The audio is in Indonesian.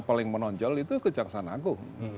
paling menonjol itu kejaksaan agung